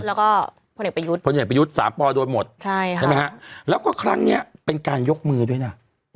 แล้วก็พนิตประยุทธ์๓ปโดยหมดใช่ไหมฮะแล้วก็ครั้งนี้เป็นการยกมือด้วยน่ะ